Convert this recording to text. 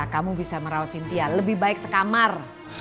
kamu bisa merawat cynthia lebih baik sekamar